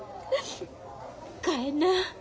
帰んな。